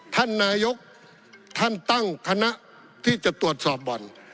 ท่านนายกท่านตั้งคณะที่จะตรวจสอบบ่อน